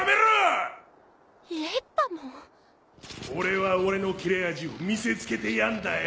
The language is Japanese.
俺は俺の切れ味を見せつけてやんだよ。